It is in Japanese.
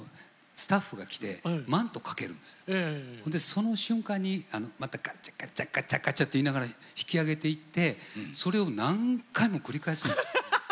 その瞬間にまたガチャガチャガチャと言いながら引き上げていってそれを何回も繰り返すんです。